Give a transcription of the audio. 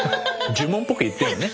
呪文っぽく言ってるのね。